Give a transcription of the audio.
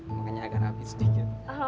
makanya agak rapi sedikit